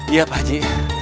iya pak ji